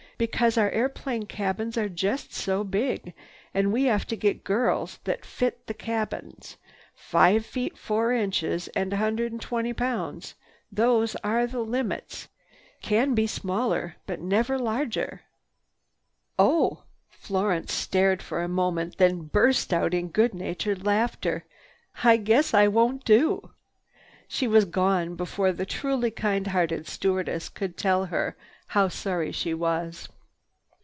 "Because our airplane cabins are just so big and we have to get girls that fit the cabins,—five feet four inches, a hundred and twenty pounds; those are the limits. Can be smaller, but never larger." "Oh!" Florence stared for a moment, then burst out in good natured laughter. "I—I guess I won't do." She was gone before the truly kind hearted stewardess could tell her how sorry she was.